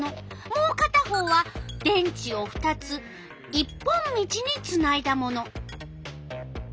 もうかた方は電池を２つ一本道につないだもの。